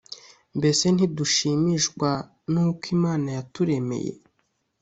mbese ntidushimishwa nu ko imana yaturemeye